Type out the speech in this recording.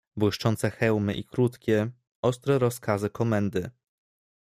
"Błyszczące hełmy i krótkie, ostre rozkazy komendy."